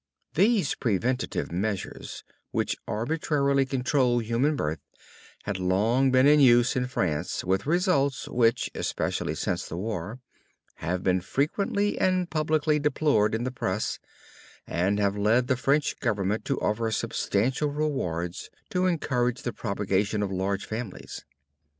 These preventive measures which arbitrarily control human birth had long been in use in France with results which, especially since the war, have been frequently and publicly deplored in the press, and have led the French Government to offer substantial rewards to encourage the propagation of large families.